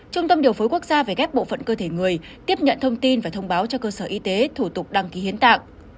trung tâm điều phối quốc gia về ghép bộ phận cơ thể người tiếp nhận thông tin và thông báo cho cơ sở y tế thủ tục đăng ký hiến tạng